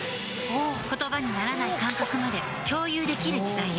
言葉にならない感覚まで共有できる時代へ。